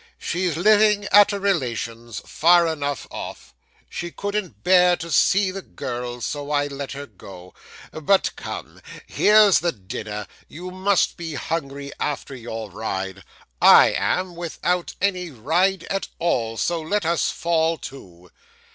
'She's living at a relation's, far enough off. She couldn't bear to see the girls, so I let her go. But come! Here's the dinner. You must be hungry after your ride. I am, without any ride at all; so let us fall to.